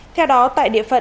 theo đó tại địa phận